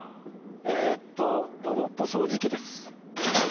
えーっとロボット掃除機です。